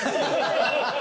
ハハハハ！